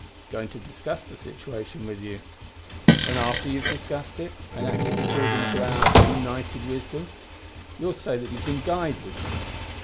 "Going to discuss the situation with you." "And after you have discussed it, and acted according to our united wisdom, you will say that you have been guided."